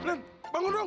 glenn bangun dong